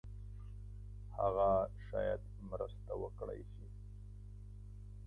هغه شاید مرسته وکړای شي.